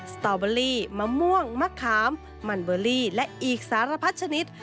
สตอเบอรี่มะม่วงมะขามมันเบอรี่และอีกสารพัดชนิด